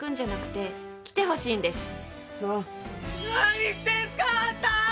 「うわ何してんすかあんた！」